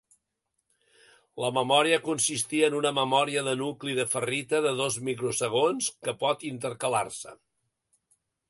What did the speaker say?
La memòria consistia en una memòria de nucli de ferrita de dos microsegons que pot intercalar-se.